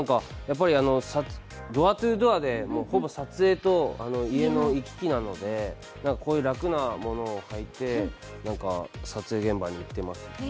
ドア・ツー・ドアでほぼ撮影と家の行き来なので、こういう楽なものを履いて撮影現場に行ってます。